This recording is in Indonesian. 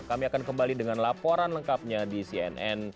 kami akan kembali dengan laporan lengkapnya di cnn